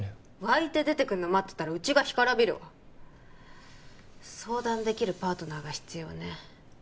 湧いて出てくるの待ってたらうちが干からびるわ相談できるパートナーが必要ね